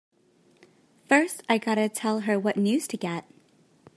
First I gotta tell her what news to get!